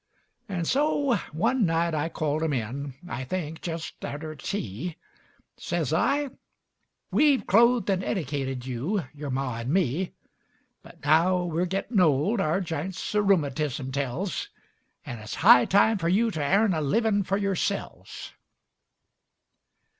And so one nite I called 'em in, I think jest arter tea. Sez I, "We've clothed and edecated you Yer Ma and me; But now we're gettin' old, our j'ints O' roomatism tells, And it's high time fer you to airn A livin' fer yoursel's."